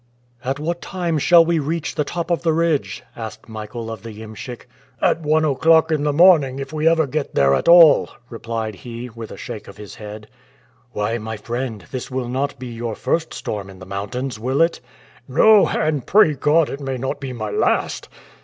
"At what time shall we reach the top of the ridge?" asked Michael of the iemschik. "At one o'clock in the morning if we ever get there at all," replied he, with a shake of his head. "Why, my friend, this will not be your first storm in the mountains, will it?" "No, and pray God it may not be my last!"